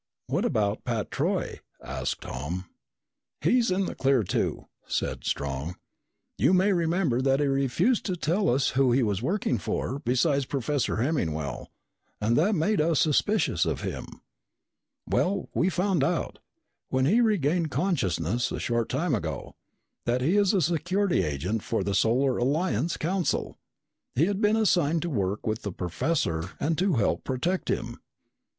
"What about Pat Troy?" asked Tom. "He's in the clear, too," said Strong. "You may remember that he refused to tell us who he was working for besides Professor Hemmingwell and that made us suspicious of him. Well, we found out, when he regained consciousness a short time ago, that he is a security agent for the Solar Alliance Council. He had been assigned to work with the professor and to help protect him.